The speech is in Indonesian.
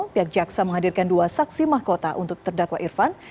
pihak jaksa menghadirkan dua saksi mahkota untuk terdakwa irfan